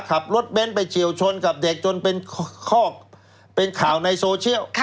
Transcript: ขับรถเบ้นไปเฉียวชนกับเด็กจนเป็นข้อเป็นข่าวในโซเชียล